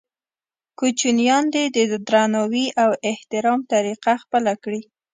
کوچنیان دې د درناوي او احترام طریقه خپله کړي.